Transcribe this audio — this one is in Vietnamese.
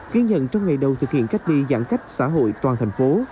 ký nhận trong ngày đầu thực hiện cách ly giãn cách xã hội toàn thành phố